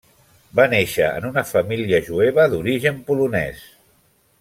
Va néixer en una família jueva d'origen polonès.